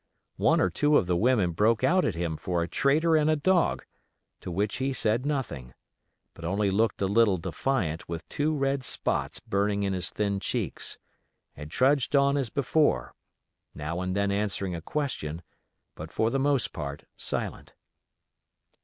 One or two of the women broke out at him for a traitor and a dog, to which he said nothing; but only looked a little defiant with two red spots burning in his thin cheeks, and trudged on as before; now and then answering a question; but for the most part silent.